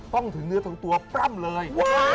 ต้องถึงเนื้อตรงตัวปั้มเลย